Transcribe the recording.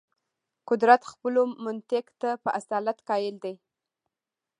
قدرت خپلو منطق ته په اصالت قایل دی.